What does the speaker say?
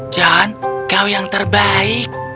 john kau yang terbaik